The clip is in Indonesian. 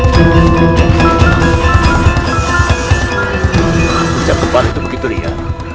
jangan kembali begitu ria